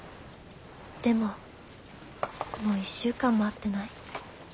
でももう１週間も会ってない。